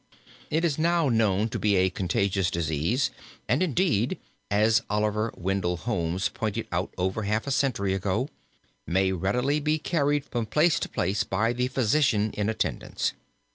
It is now known to be a contagious disease and indeed, as Oliver Wendell Holmes pointed out over half a century ago, may readily be carried from place to place by the physician in attendance.